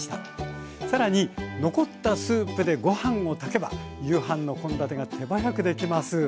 更に残ったスープでご飯を炊けば夕飯の献立が手早くできます。